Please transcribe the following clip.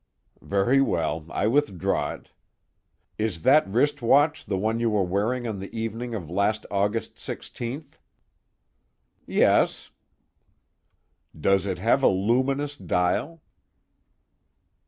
"Very well I withdraw it. Is that wrist watch the one you were wearing on the evening of last August 16th?" "Yes." "Does it have a luminous dial?"